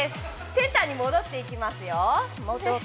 センターに戻っていきますよ。